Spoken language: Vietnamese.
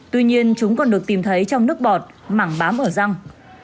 tuy nhiên chúng còn được tìm thấy trong nước bọt mảng bám ở răng